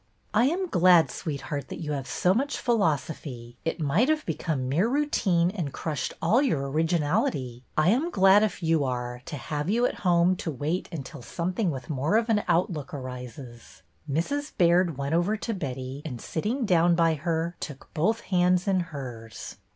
I am glad, sweetheart, that you have so much philosophy. It might have become mere routine and crushed all your originality. I am glad, if you are, to have you at home to wait until some thing with more of an outlook arises." Mrs. Baird went over to Betty and, sitting down by her, took both hands in hers.